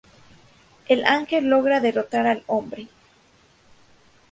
El ángel logra derrotar al hombre.